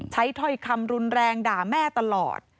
ถ้อยคำรุนแรงด่าแม่ตลอด